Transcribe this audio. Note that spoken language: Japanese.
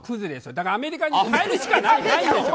だからアメリカに帰るしかないんですよ。